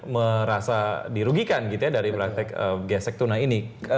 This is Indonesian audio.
merasa dirugikan gitu ya dari praktek gesek tunai ini